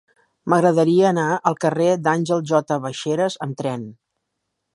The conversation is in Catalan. M'agradaria anar al carrer d'Àngel J. Baixeras amb tren.